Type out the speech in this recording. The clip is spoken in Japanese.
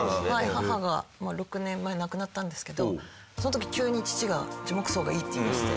母が６年前に亡くなったんですけどその時急に父が「樹木葬がいい」って言いだして。